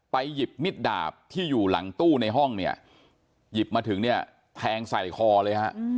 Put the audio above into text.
หยิบมิดดาบที่อยู่หลังตู้ในห้องเนี่ยหยิบมาถึงเนี่ยแทงใส่คอเลยฮะ